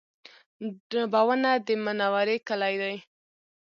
ډبونه د منورې کلی دی